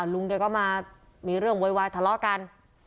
ลุงแกก็มามีเรื่องโวยวายทะเลาะกัน